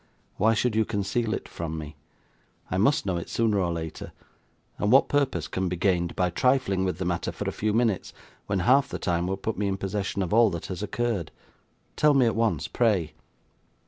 Why should you conceal it from me? I must know it sooner or later; and what purpose can be gained by trifling with the matter for a few minutes, when half the time would put me in possession of all that has occurred? Tell me at once, pray.